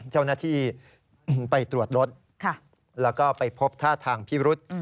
เจ้าหน้าที่ไปตรวจรถแล้วก็ไปพบท่าทางพิรุษ